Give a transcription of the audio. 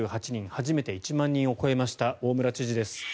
初めて１万人を超えました大村知事です。